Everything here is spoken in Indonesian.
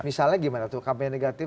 misalnya gimana tuh kampanye negatif